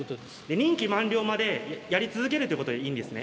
任期満了までやり続けるということでいいんですね。